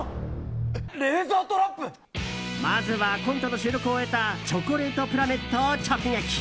まずは、コントの収録を終えたチョコレートプラネットを直撃。